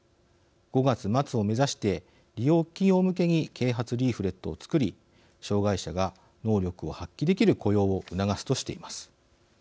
５月末を目指して利用企業向けに啓発リーフレットを作り障害者が能力を発揮できる雇用を促すとしています。